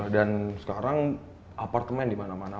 dan sekarang apartemen di mana mana